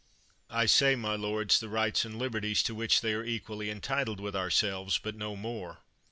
I say, my lords, the rights and liberties to which they are equally entitled with ourselves, hut no more.